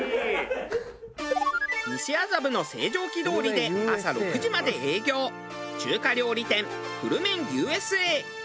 西麻布の星条旗通りで朝６時まで営業中華料理店ふるめんＵＳＡ。